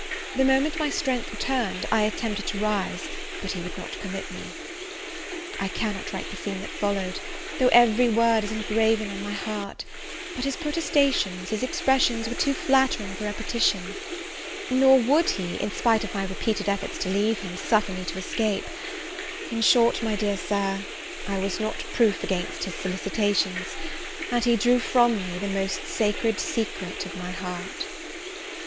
The moment my strength returned, I attempted to rise, but he would not permit me. I cannot write the scene that followed, though every word is engraven on my heart; but his protestations, his expressions, were too flattering for repetition: nor would he, in spite of my repeated efforts to leave him, suffer me to escape: in short, my dear Sir, I was not proof against his solicitations and he drew from me the most sacred secret of my heart!